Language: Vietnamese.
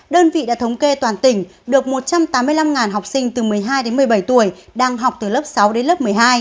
đơn vị đã thống kê toàn tỉnh được một trăm tám mươi năm học sinh từ một mươi hai đến một mươi bảy tuổi đang học từ lớp sáu đến lớp một mươi hai